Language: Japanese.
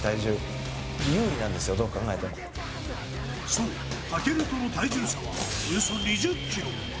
そう、武尊との体重差はおよそ２０ｋｇ。